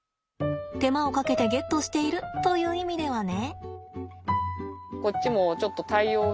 手間をかけてゲットしているという意味ではね。